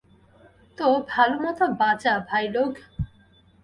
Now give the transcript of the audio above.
তো ভালোমতো বাজা, ভাইলোগ।